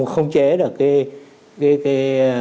không chế được cái